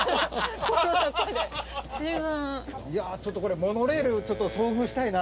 いやあちょっとこれモノレール遭遇したいな。